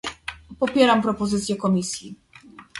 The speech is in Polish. Popieram propozycję Komisji